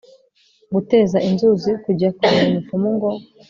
guteza inzuzi kujya kureba umupfumu ngo